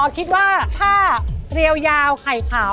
คิดว่าถ้าเรียวยาวไข่ขาว